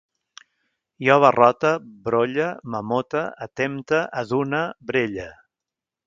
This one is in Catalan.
Jo barrote, brolle, m'amote, atempte, adune, brelle